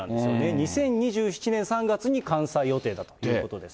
２０２７年３月に完済予定だということです。